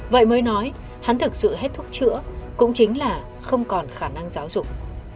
vậy mới nói hắn thực sự hết thuốc chữa cũng chính là không còn khả năng giáo dục